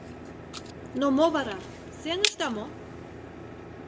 — Но мо вара, сеҥышда мо?